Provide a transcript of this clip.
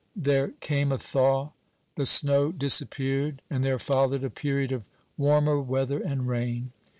There came a thaw. The snow disappeared, and there followed a period of warmer weather and rain.